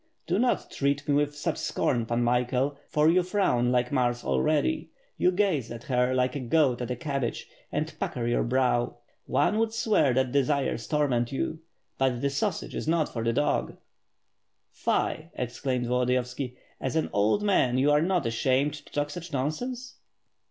"Do not treat me with such scorn, Pan Michael, for you frown like Mars already. You gaze at her like a goat at a cabbage, and pucker your brow; one would swear that de sires torment you, but the sausage is not for the dog/^ "Fie," exclaimed Volodiyovski, "as an old man are you not ashamed to talk such nonsense?"